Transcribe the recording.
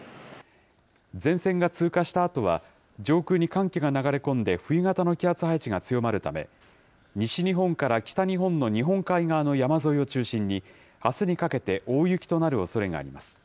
前線が通過したあとは、上空に寒気が流れ込んで冬型の気圧配置が強まるため、西日本から北日本の日本海側の山沿いを中心に、あすにかけて大雪となるおそれがあります。